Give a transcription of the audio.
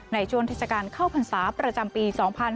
ในจวนทศกาลเข้าพันศาประจำปี๒๕๖๖